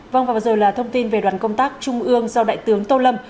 vâng và bây giờ là thông tin về đoàn công tác trung ương do đại tướng tô lâm